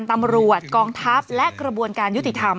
ตำรวจกองทัพและกระบวนการยุติธรรม